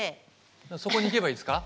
そこに行けばいいですか？